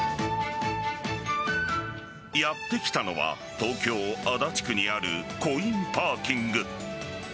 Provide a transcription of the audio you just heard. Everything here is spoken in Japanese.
やってきたのは東京・足立区にあるコインパーキング。